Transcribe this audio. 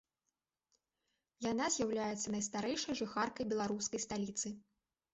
Яна з'яўляецца найстарэйшай жыхаркай беларускай сталіцы.